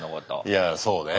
いやそうね。